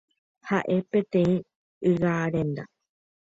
Ha'e peteĩ ygarenda.